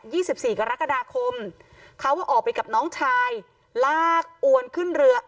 สิบสี่กรกฎาคมเขาออกไปกับน้องชายลากอวนขึ้นเรือ